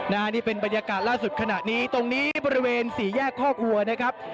นี่เป็นบรรยากาศล่าสุดขณะนี้ตรงนี้บริเวณสี่แยกข้อครัวนะครับ